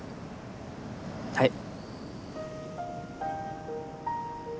はい。